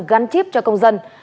gắn chip cho công dân